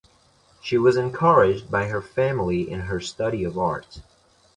She was encouraged by her family in her study of art.